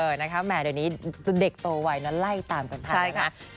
เออนะครับแหม่เดี๋ยวนี้เด็กโตวัยนะไล่ตามกันทั้งหมดนะ